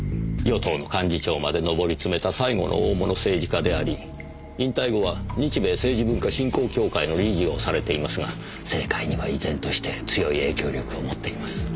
与党の幹事長までのぼりつめた最後の大物政治家であり引退後は日米政治文化振興協会の理事をされていますが政界には依然として強い影響力を持っています。